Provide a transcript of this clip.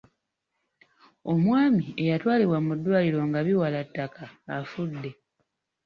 Omwami eyatwalibwa mu ddwaliro nga biwala ttaka afudde.